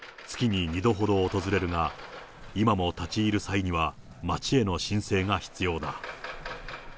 月に２度ほど訪れるが、今も立ち入る際には町への申請が必要です。